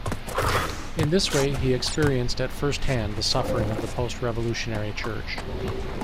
In this way he experienced at firsthand the suffering of the post-Revolutionary Church.